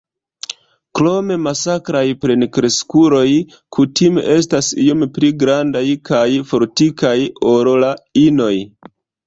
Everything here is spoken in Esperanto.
Krome masklaj plenkreskuloj kutime estas iom pli grandaj kaj fortikaj ol la inoj.